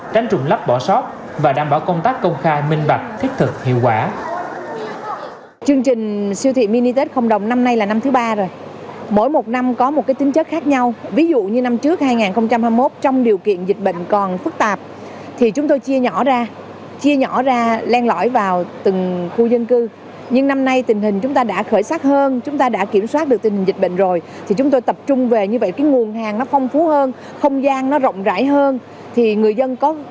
tránh trùng lắp bỏ sót và đảm bảo công tác công khai minh bạch thiết thực hiệu quả